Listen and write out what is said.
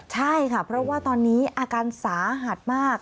ใช่ค่ะเพราะว่าตอนนี้อาการสาหัสมาก